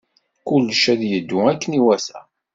Kullec ad yeddu akken iwata.